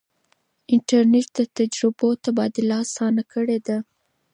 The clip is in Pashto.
انټرنیټ د تجربو تبادله اسانه کړې ده.